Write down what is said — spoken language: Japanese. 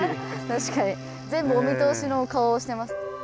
確かに全部お見通しの顔をしてます。